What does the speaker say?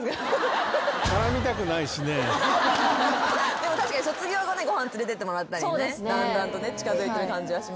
でも確かに卒業後ねご飯連れてってもらったりねだんだんとね近づいてる感じはしますけど。